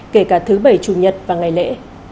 kể cả thứ bảy chủ nhật và ngày lễ